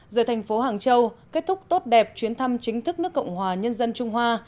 giờ thành phố hàng châu kết thúc tốt đẹp chuyến thăm chính thức nước cộng hòa nhân dân trung hoa